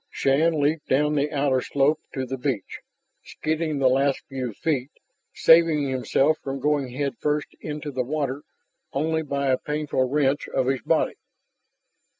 Shann leaped down the outer slope to the beach, skidding the last few feet, saving himself from going headfirst into the water only by a painful wrench of his body.